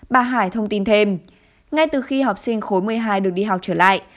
bà hải thông tin thêm ngay từ khi học sinh khối một mươi hai được đi học trở lại